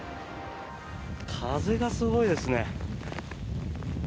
風がすごいですね。